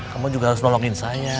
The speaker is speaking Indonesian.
kamu juga harus nolongin saya